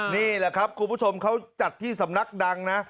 นี่แหละครับคุณผู้ชมเขาจัดที่สำนักดังนะ